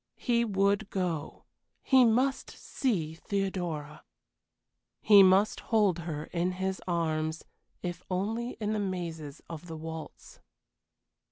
He would go he must see Theodora. He must hold her in his arms, if only in the mazes of the waltz.